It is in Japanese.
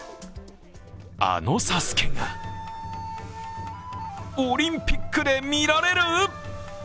あのＳＡＳＵＫＥがオリンピックで見られる？